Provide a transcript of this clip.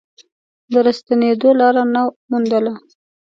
د راستنېدو لاره نه موندله.